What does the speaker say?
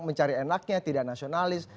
mencari enaknya tidak nasionalis